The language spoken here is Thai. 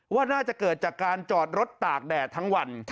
ว่าน่าจะเกิดจากการจอดรถตากแดดทั้งวัน